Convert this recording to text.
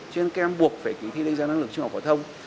cho nên các em buộc phải kỳ thi đánh giá năng lực trung học phổ thông